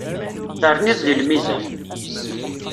Terniḍ deg lmizan.